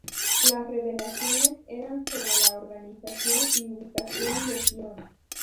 Las revelaciones eran sobre la organización y ubicación de Sion.